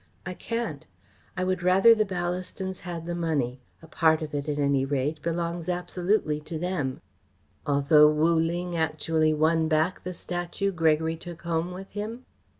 "I can't. I would rather the Ballastons had the money. A part of it, at any rate, belongs absolutely to them." "Although Wu Ling actually won back the statue Gregory took home with him?"